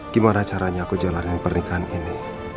gimana caranya aku jalanin pernikahan ini